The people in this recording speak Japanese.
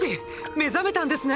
目覚めたんですね！！